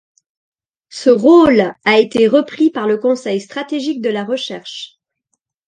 Ce rôle a été repris par le Conseil stratégique de la recherche.